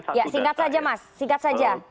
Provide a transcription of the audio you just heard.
singkat saja mas